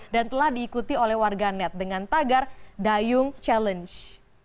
dan telah diikuti oleh warga net dengan tagar dayung challenge